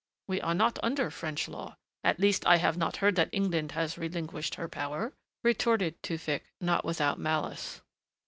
We are not under the French law at least I have not heard that England has relinquished her power," retorted Tewfick not without malice.